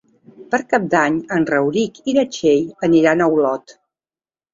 Per Cap d'Any en Rauric i na Txell aniran a Olot.